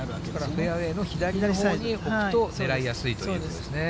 フェアウエーの左のほうに置くと狙いやすいということですね。